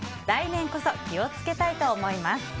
来年こそ気を付けたいと思います。